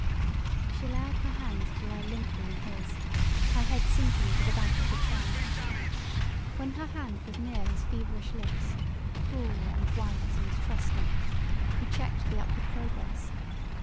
She allowed her hand to lie limply in his, her head sinking to the back of the chair. When her hand was near his feverish lips, cool and white and trusting, he checked the upward progress.